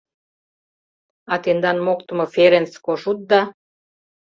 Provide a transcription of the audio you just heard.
— А тендан моктымо Ференц Кошутда?